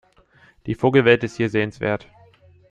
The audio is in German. Die Vogelwelt ist hier sehenswert.